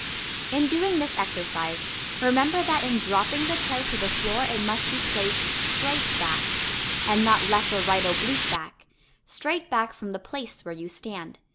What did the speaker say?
In doing this exercise, remember that in dropping the toe to the floor it must be placed straight back, and not left or right oblique back; straight back from the "place" where you stand.